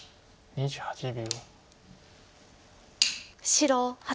２８秒。